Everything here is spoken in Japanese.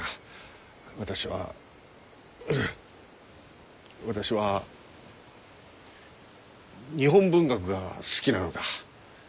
私はうう私は日本文学が好きなのだ。